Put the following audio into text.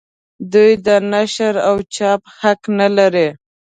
دوی د نشر او چاپ حق نه لري.